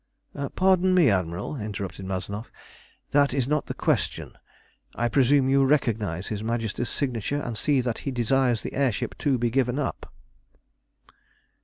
"Pardon me, Admiral," interrupted Mazanoff, "that is not the question. I presume you recognise his Majesty's signature, and see that he desires the air ship to be given up."